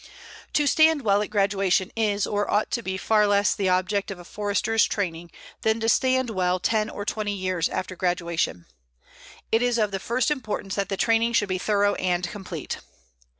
To stand well at graduation is or ought to be far less the object of a Forester's training than to stand well ten or twenty years after graduation. It is of the first importance that the training should be thorough and complete.